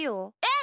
え？